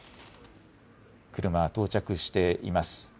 車は到着しています。